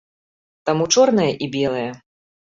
Таму чорнае і белае.